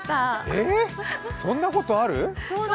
えっ、そんなことある？